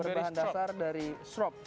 yang berbahan dasar dari syrup